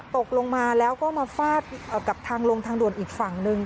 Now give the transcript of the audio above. ตกลงมาแล้วก็มาฟาดกับทางลงทางด่วนอีกฝั่งหนึ่ง